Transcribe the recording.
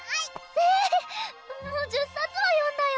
ええっもう１０冊は読んだよ